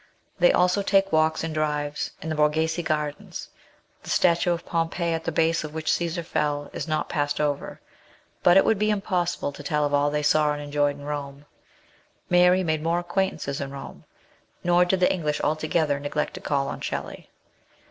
They also take walks and drives in the Borghese Gardens. The statue of Pompey, at the base of which Caesar fell, is not passed over but it would be impossible to tell of all they saw and enjoyed in Rome. Mary made more acquaintances in Rome, nor did the English altogether neglect to call on Shelley.